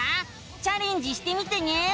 チャレンジしてみてね！